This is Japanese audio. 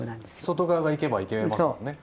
外側がいけばいけますもんね。